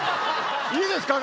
いいですか？